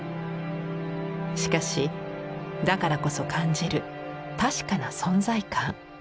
しかしだからこそ感じる確かな存在感。